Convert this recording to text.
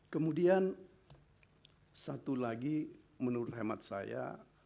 kemudian satu lagi menurut hemat saya